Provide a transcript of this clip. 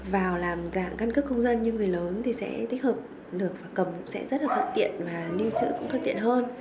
vào làm giảm căn cước công dân như người lớn thì sẽ tích hợp được và cầm cũng sẽ rất là thoát tiện và lưu trữ cũng thoát tiện hơn